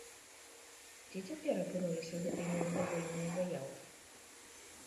Дзе цяпер апынуліся гэтыя незадаволеныя заяўкі?